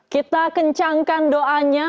kita kencangkan doanya